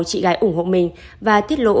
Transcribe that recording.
chị gái ủng hộ mình và tiết lộ